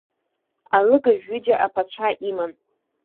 Алыгажә ҩыџьа аԥацәа иман.